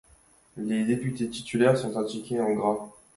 Les députés titulaires sont indiqués en gras.